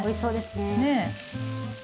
ねえ。